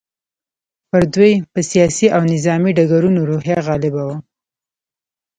پر دوی په سیاسي او نظامي ډګرونو روحیه غالبه وه.